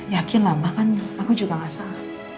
yakin lah mbak kan aku juga gak salah